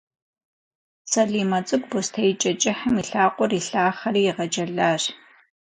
Салимэ цӏыкӏу бостеикӏэ кӏыхьым и лъакъуэр илъахъэри игъэджэлащ.